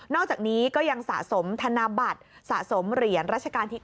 อกจากนี้ก็ยังสะสมธนบัตรสะสมเหรียญรัชกาลที่๙